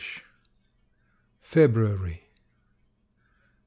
FEBRUARY.